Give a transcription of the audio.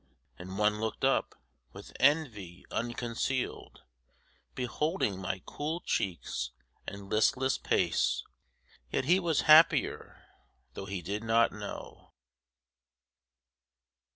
And one looked up, with envy unconcealed, Beholding my cool cheeks and listless pace, Yet he was happier, though he did not know.